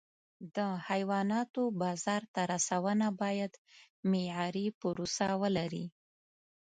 د حیواناتو بازار ته رسونه باید معیاري پروسه ولري.